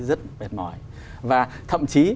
rất bệt mỏi và thậm chí